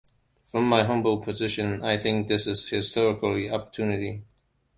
From my humble position, I think this is a historical opportunity.